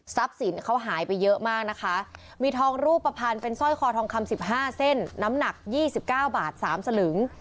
สินเขาหายไปเยอะมากนะคะมีทองรูปภัณฑ์เป็นสร้อยคอทองคำ๑๕เส้นน้ำหนัก๒๙บาท๓สลึง